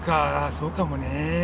そうかもね。